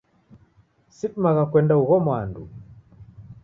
Sidimagha kuenda ugho mwandu.